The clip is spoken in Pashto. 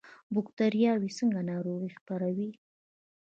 بکتریاوې څنګه ناروغي خپروي؟